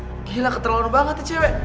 ya ampun gila keterlaluan banget nih cewek